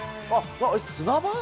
砂場？